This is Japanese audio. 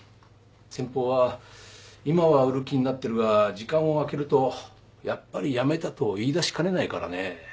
先方は今は売る気になってるが時間を空けるとやっぱりやめたと言い出しかねないからね。